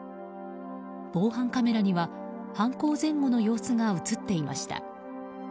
防犯カメラには犯行前後の様子が映っていました。